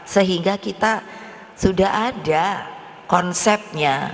sehingga kita sudah ada konsepnya